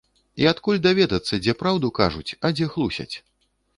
І адкуль даведацца, дзе праўду кажуць, а дзе хлусяць?